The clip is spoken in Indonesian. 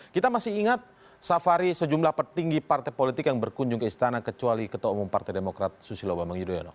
kita masih ingat safari sejumlah petinggi partai politik yang berkunjung ke istana kecuali ketua umum partai demokrat susilo bambang yudhoyono